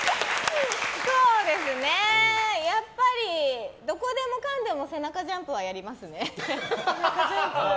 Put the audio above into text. やっぱり、どこでも背中ジャンプはやりますね。